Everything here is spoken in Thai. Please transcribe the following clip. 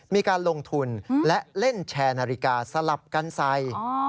มีการลงทุนและเล่นแชร์นาฬิกาสลับกันใส่